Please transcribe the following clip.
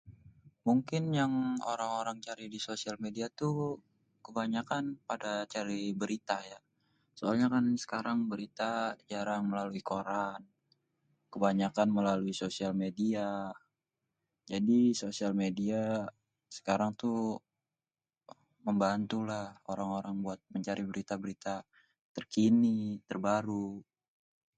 Mungkin yang orang-orang cari di sosial media itu kebanyakan pada cari berita ya. Soalnya kan sekarang berita jarang melalui koran. Kebanyakan melalui sosial media. Jadi sosial media sekarang tuh membantulah orang-orang buat mencari berita-berita terkini, terbaru.